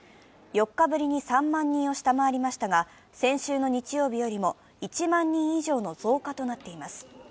４日ぶりに３万人を下回りましたが、先週の日曜日よりも１万人以上の増加となっています。